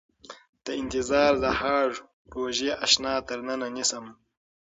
د انتظار د هاړ روژې اشنا تر ننه نيسم